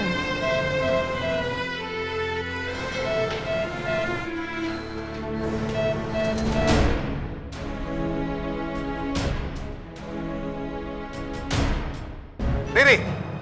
ini ini ini